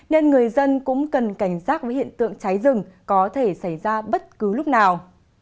nên người dân cũng cần cảnh giác với hiện tượng cháy rừng có thể xảy ra bất cứ lúc nào